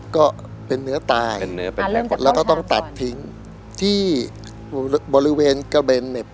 ก็เป็นเนื้อตายเป็นเนื้อแล้วก็ต้องตัดทิ้งที่บริเวณกระเบนเหน็บ